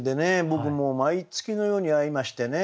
僕もう毎月のように会いましてね。